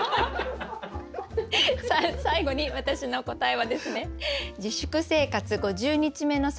さあ最後に私の答えはですね